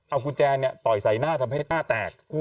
เอากุญแจต่อยใส่หน้าทำให้อ้าแตก